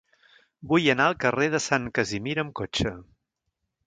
Vull anar al carrer de Sant Casimir amb cotxe.